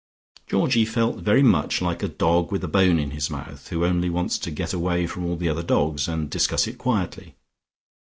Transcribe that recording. Georgie felt very much like a dog with a bone in his mouth, who only wants to get away from all the other dogs and discuss it quietly.